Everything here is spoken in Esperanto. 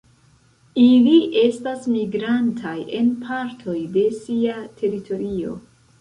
Ili estas migrantaj en partoj de sia teritorio.